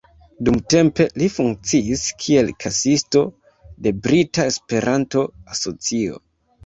Dumtempe li funkciis kiel kasisto de Brita Esperanto-Asocio.